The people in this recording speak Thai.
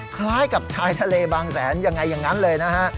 คล้ายกับชายทะเลบางแสนยังไงอย่างนั้นเลยนะฮะ